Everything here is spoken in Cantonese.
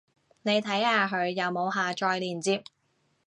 你睇下佢有冇下載連接